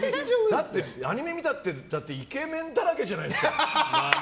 アニメ見たってイケメンだらけじゃないですか。